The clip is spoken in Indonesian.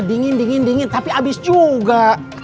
dingin dingin dingin tapi habis juga